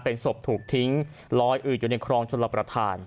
เป็นศพถูกทิ้งลอยอืดอยู่ในครองชนรับประทาน